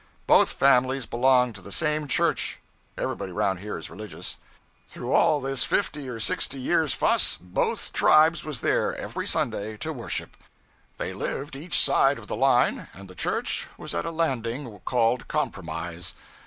Both families belonged to the same church (everybody around here is religious); through all this fifty or sixty years' fuss, both tribes was there every Sunday, to worship. They lived each side of the line, and the church was at a landing called Compromise.